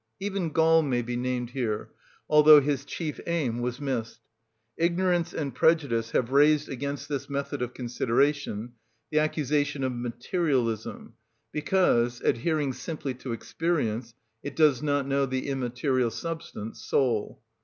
Even Gall may be named here, although his chief aim was missed. Ignorance and prejudice have raised against this method of consideration the accusation of materialism, because, adhering simply to experience, it does not know the immaterial substance, soul.